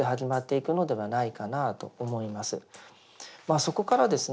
そこからですね